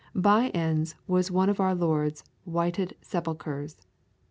By ends was one of our Lord's whited sepulchres.